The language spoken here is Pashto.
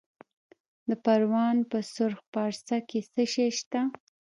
د پروان په سرخ پارسا کې څه شی شته؟